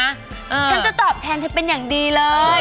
ฉันจะตอบแทนเธอเป็นอย่างดีเลย